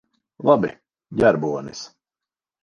Labi. Ģērbonis.